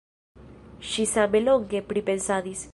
Ŝi same longe pripensadis.